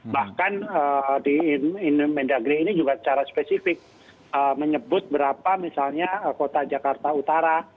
bahkan di mendagri ini juga secara spesifik menyebut berapa misalnya kota jakarta utara